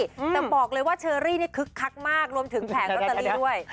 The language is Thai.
แต่บอกเลยว่าเชอรี่นี่คึกคักมากรวมถึงแผงลอตเตอรี่ด้วย